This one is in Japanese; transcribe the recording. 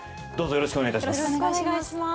よろしくお願いします。